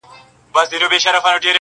زه دي سر تر نوکه ستا بلا ګردان سم!.